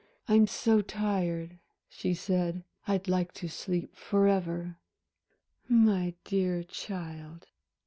"I'm so tired," she said, "I'd like to sleep forever." "My dear child."